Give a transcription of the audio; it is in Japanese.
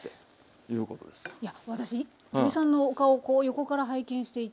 いや私土井さんのお顔をこう横から拝見していて。